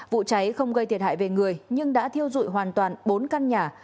vụ cháy không gây thiệt hại về người nhưng đã thiêu dụi hoàn toàn bốn căn nhà